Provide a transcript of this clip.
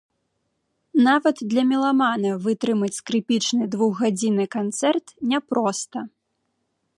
Нават для меламана вытрымаць скрыпічны двухгадзінны канцэрт не проста.